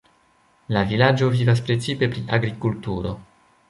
La vilaĝo vivas precipe pri agrikulturo.